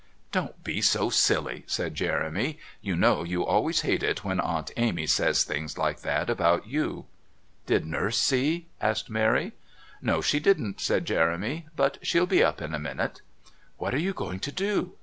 "Don't be so silly," said Jeremy. "You know you always hate it when Aunt Amy says things like that about you." "Did Nurse see?" asked Mary. "No, she didn't," said Jeremy; "but she'll be up in a minute." "What are you going to do?"